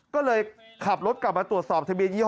ก็เลยขับรถกลับมาตรวจสอบทะเบียยี่ห